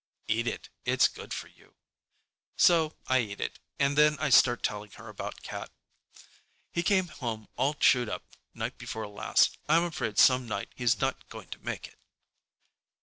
"Eat it. It's good for you." So I eat it, and then I start telling her about Cat. "He came home all chewed up night before last. I'm afraid some night he's not going to make it."